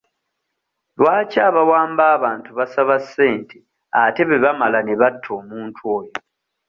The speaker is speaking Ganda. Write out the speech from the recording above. Lwaki abawamba abantu basaba ssente ate bwe bamala ne batta omuntu oyo?